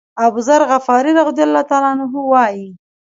أبوذر غفاري رضی الله عنه وایي.